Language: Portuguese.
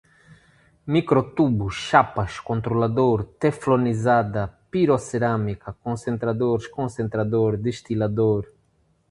micro-tubos, chapas, controlador, teflonizada, pirocerâmica, concentradores, concentrador, destilador